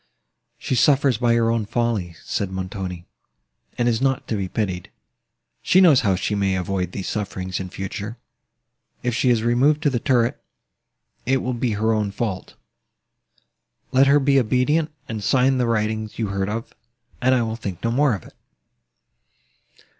"She suffers by her own folly," said Montoni, "and is not to be pitied;—she knows how she may avoid these sufferings in future—if she is removed to the turret, it will be her own fault. Let her be obedient, and sign the writings you heard of, and I will think no more of it."